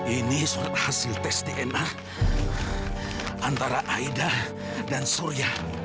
ini suara hasil tes dna antara aida dan surya